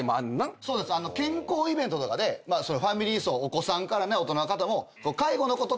健康イベントとかでファミリー層お子さんから大人の方も。